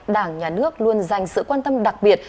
đảng nhà nước luôn dành sự quan tâm đặc biệt